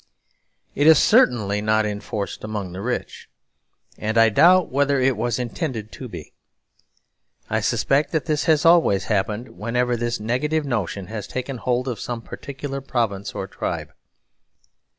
It is certainly not enforced among the rich; and I doubt whether it was intended to be. I suspect that this has always happened whenever this negative notion has taken hold of some particular province or tribe.